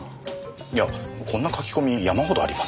いやこんな書き込み山ほどありますよ。